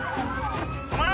止まれ！